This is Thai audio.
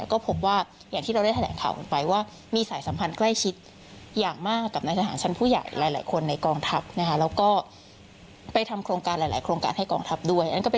ก็พบว่าอย่างที่เราได้แถลงข่าวไปว่ามีสายสัมพันธ์ใกล้ชิด